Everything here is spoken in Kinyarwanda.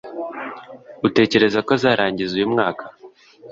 Utekereza ko azarangiza uyu mwaka?